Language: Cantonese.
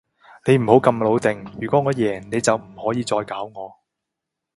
你唔好咁老定，如果我贏，你就唔可以再搞我